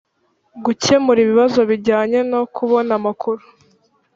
Gukemura ibibazo bijyanye no kubona amakuru